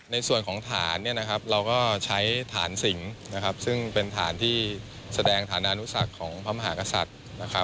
ในส่วนของฐานเราก็ใช้ฐานสิงซึ่งเป็นฐานที่แสดงฐานอนุสักของพระมหากษัตริย์